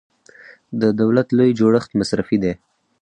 د دولت لوی جوړښت مصرفي دی.